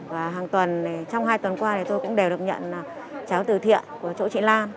và trong hai tuần qua tôi cũng đều được nhận cháo từ thiện của chỗ chị lan